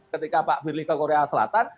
ketika pak firly ke korea selatan